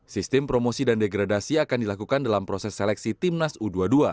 sistem promosi dan degradasi akan dilakukan dalam proses seleksi timnas u dua puluh dua